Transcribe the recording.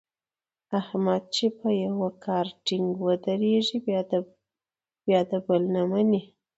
احمد چې په یوه کار ټینګ ودرېږي بیا د بل نه مني.